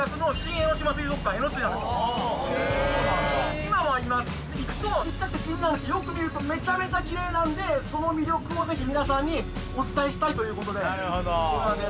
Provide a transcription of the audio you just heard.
今はいます行くとちっちゃくて地味なんですけどよく見るとめちゃめちゃきれいなんでその魅力をぜひ皆さんにお伝えしたいということでなるほどそうなんです